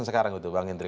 sekarang gitu bang hendri